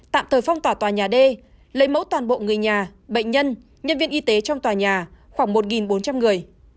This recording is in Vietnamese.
tạm thời phong tỏa tòa nhà d lấy mẫu toàn bộ người nhà bệnh nhân nhân viên y tế trong tòa nhà khoảng một bốn trăm linh người